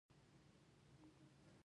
مالټه د وینې رګونه پراخوي.